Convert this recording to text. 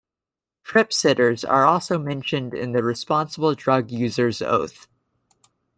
Trip sitters are also mentioned in the Responsible Drug User's Oath.